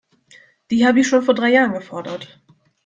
Die habe ich schon vor drei Jahren gefordert.